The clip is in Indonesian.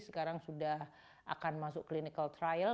sekarang sudah akan masuk clinical trial